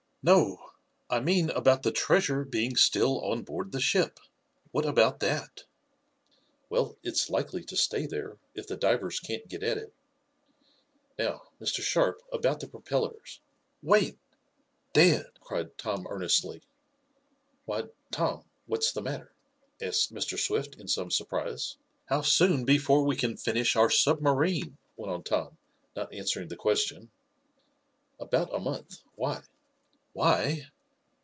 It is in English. "No; I mean about the treasure being still on board the ship. What about that?" "Well, it's likely to stay there, if the divers can't get at it. Now, Mr. Sharp, about the propellers " "Wait, dad!" cried Tom earnestly. "Why, Tom, what's the matter?" asked Mr. Swift in some surprise. "How soon before we can finish our submarine?" went on Tom, not answering the question. "About a month. Why?" "Why?